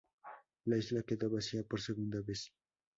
La isla quedó vacía por segunda vez.